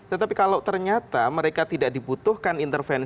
tetapi kalau ternyata mereka tidak dibutuhkan intervensi